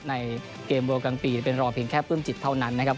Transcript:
ในเกมเวลกลางปีเป็นรอเพียงแค่ปลื้มจิตเท่านั้นนะครับ